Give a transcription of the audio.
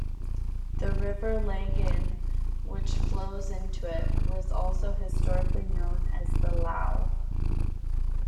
The River Lagan, which flows into it, was also historically known as the "Lao".